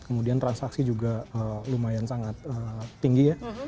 kemudian transaksi juga lumayan sangat tinggi ya